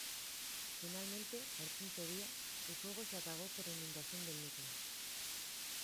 Finalmente, al quinto día, el fuego se apagó por inundación del núcleo.